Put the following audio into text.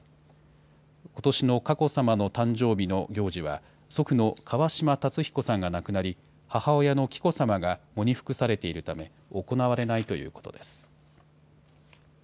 ことしの佳子さまの誕生日の行事は、祖父の川嶋辰彦さんが亡くなり、母親の紀子さまが喪に服されているため、行われないということです。